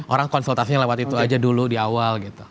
orang konsultasinya lewat itu aja dulu di awal gitu